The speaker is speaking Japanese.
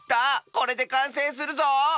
これでかんせいするぞ！